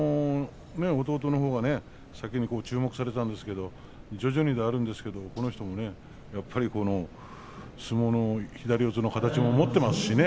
弟のほうが先に注目されたんですが徐々に、この人もね、やっぱり相撲の左四つの形も持っていますしね。